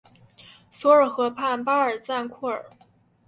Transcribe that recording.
索尔河畔巴尔赞库尔。